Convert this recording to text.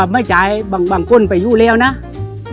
ปกติวางคนไปอยู่ที่นู่น